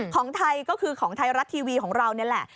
ของไทยก็คือของไทยรัฐทีวีของเรานี่แหละ